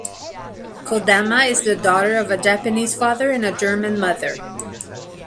Kodama is the daughter of a Japanese father and a German mother.